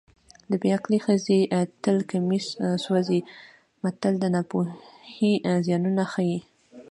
د بې عقلې ښځې تل کمیس سوځي متل د ناپوهۍ زیانونه ښيي